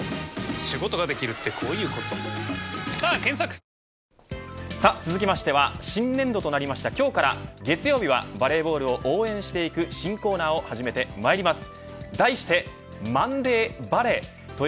本麒麟さあ続きましては新年度となった今日から月曜日はバレーボールを応援していく新コーナーを始めてまいります。